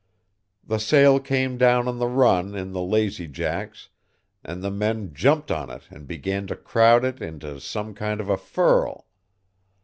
The sail came down on the run in the lazy jacks and the men jumped on it and began to crowd it into some kind of a furl.